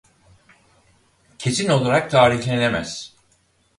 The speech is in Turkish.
Kesin olarak tarihlenemez.